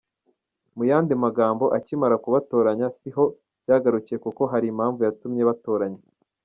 Mu yandi magambo: akimara kubatoranya, si aho byagarukiye kuko hari impamvu yatumye batoranywa.